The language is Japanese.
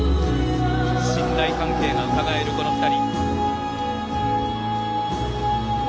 信頼関係がうかがえるこの２人。